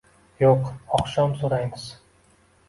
Yo'q, oqshom so'raymiz.